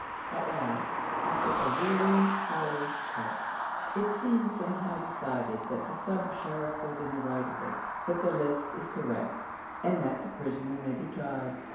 At last, after a weary hour's talk, it seems somehow decided that the sub sheriff was in the right of it that the list is correct, and that the prisoner may be tried.